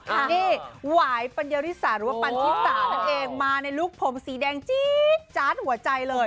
นี่หวายปัญญาริสาหรือว่าปันชิสานั่นเองมาในลูกผมสีแดงจี๊ดจาดหัวใจเลย